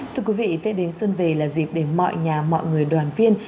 thưa quý vị tết đến xuân về là dịp để mọi nhà mọi người đoàn viên